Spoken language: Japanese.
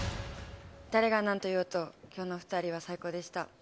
誰がなんと言おうと、きょうの２人は最高でした。